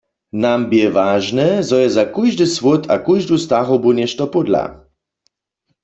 Nam bě wažne, zo je za kóždy słód a kóždu starobu něšto pódla.